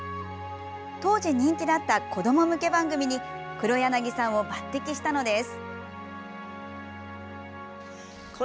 当時人気だった子ども向け番組に黒柳さんを抜てきしたのです。